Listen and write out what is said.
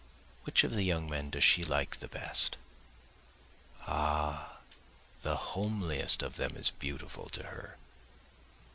Which of the young men does she like the best? Ah the homeliest of them is beautiful to her.